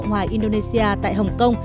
hoặc những loại phù hợp